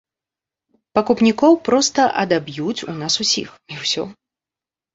Пакупнікоў проста адаб'юць у нас усіх, і ўсё.